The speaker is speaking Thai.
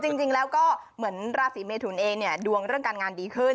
จริงแล้วก็เหมือนราศีเมทุนเองเนี่ยดวงเรื่องการงานดีขึ้น